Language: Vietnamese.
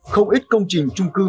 không ít công trình trung cư mini